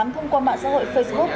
thông qua mạng xã hội facebook